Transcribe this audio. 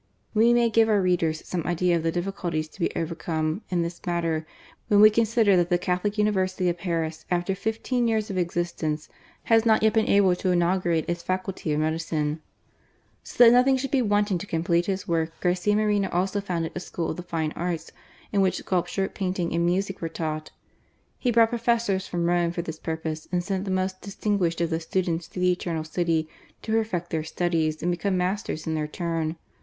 We may give mir readers some idea of the difficulties to be overcome in this matter vrfien we consider that the CathoHc Univeraty xd^ Paris, after fifben years c^ existence, has sot yet been able to inauj^ira^e its Fiualty of Medicioe. . So that nothing should be wanting to complete his work, Garcia Moreno also fotmded . a School of the Fine Arts, in which scnlpture, painting, and ransic were taught. He brought Professors from Rome for this purpose and sent the most dis tinguished of the students to the Eternal City to perfect their studies, and become masters in their turn.